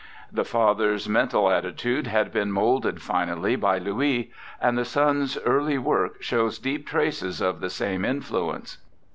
The father's mental attitude had been moulded finally by Louis, and the son's early work shows deep traces of the same in fluence.